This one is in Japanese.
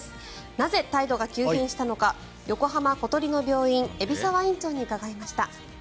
なぜ態度が急変したのか横浜小鳥の病院、海老沢院長に伺いました。